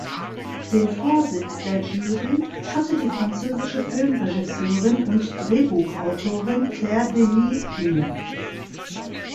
Den Vorsitz der Jury hatte die französische Filmregisseurin und Drehbuchautorin Claire Denis inne.